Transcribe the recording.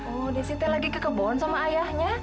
oh desi teh lagi ke kebun sama ayahnya